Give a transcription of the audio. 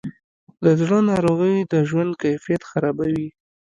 د زړه ناروغۍ د ژوند کیفیت خرابوي.